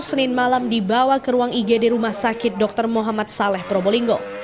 senin malam dibawa ke ruang igd rumah sakit dr muhammad saleh probolinggo